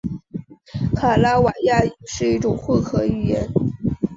卡拉瓦亚语是一种混合语言。